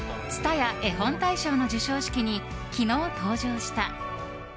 えほん大賞の授賞式に、昨日登場した。